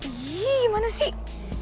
ih gimana sih